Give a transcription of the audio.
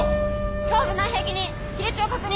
胸部内壁に亀裂を確認。